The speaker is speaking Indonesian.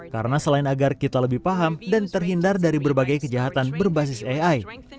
karena selain agar kita lebih paham dan terhindar dari berbagai kejahatan berbasis ai